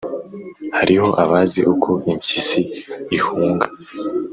hariho abazi uko impyisi ihunga